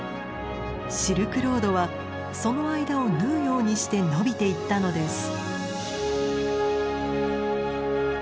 シルクロードはその間を縫うようにして延びていったのです。